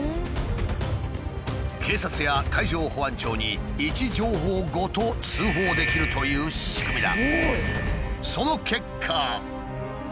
警察や海上保安庁に位置情報ごと通報できるという仕組みだ。